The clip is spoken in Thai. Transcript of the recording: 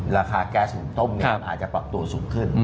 ราคาแก๊สหุงต้มอาจจะปรับตัวสูงขึ้น